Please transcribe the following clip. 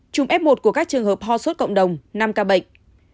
chùm f một của các trường hợp ho suốt cộng đồng năm ca bệnh